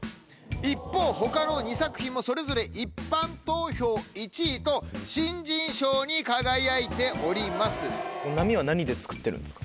一方他の２作品もそれぞれ一般投票１位と新人賞に輝いております。